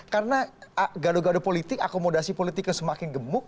karena gado gado politik akomodasi politiknya semakin gemuk